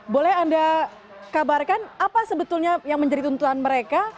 boleh anda kabarkan apa sebetulnya yang menjadi tuntutan mereka